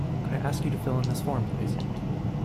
Could I ask you to fill in this form, please?